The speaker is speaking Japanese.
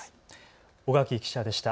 尾垣記者でした。